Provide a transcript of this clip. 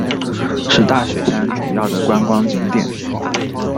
是大雪山主要的观光景点。